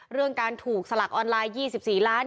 เรื่องการถูกสลักออนไลน์๒๔ล้าน